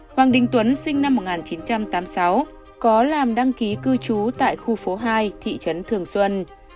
hoàng đình tuấn sinh năm một nghìn chín trăm tám mươi sáu có làm đăng ký cư trú tại khu phố hai thị trấn thường xuân